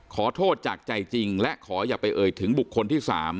ขอโทษจากใจจริงและขออย่าไปเอ่ยถึงบุคคลที่๓